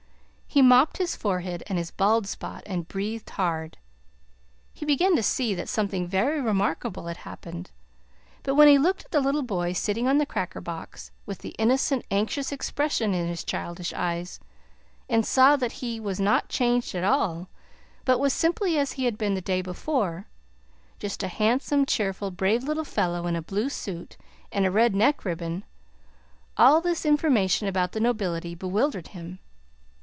He mopped his forehead and his bald spot and breathed hard. He began to see that something very remarkable had happened; but when he looked at the little boy sitting on the cracker box, with the innocent, anxious expression in his childish eyes, and saw that he was not changed at all, but was simply as he had been the day before, just a handsome, cheerful, brave little fellow in a blue suit and red neck ribbon, all this information about the nobility bewildered him.